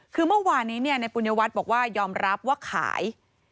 คือเมื่อวานนี้ในปุญญวัฒน์บอกว่ายอมรับว่าขาย